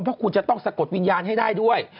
เพราะคุณจะต้องสะกดวิญญาณให้ได้ด้วย